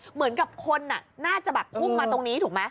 เหมือนกับคนน่าจะแบบพุ่งมาตรงนี้ถูกไหม